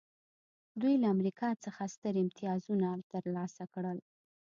دوی له امریکا څخه ستر امتیازونه ترلاسه کړل